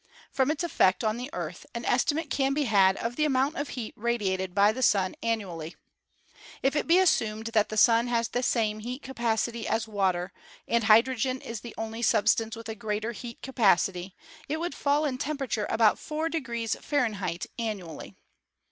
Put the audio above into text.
From its effect on the Earth an estimate can be had of the amount of heat radiated by the Sun annually. If it be assumed that the Sun has the same heat capacity as water, and hydrogen is the only substance with a greater heat capacity, it would fall in temperature about 4 F. annually.